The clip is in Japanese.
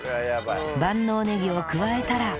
万能ネギを加えたら